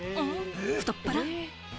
太っ腹！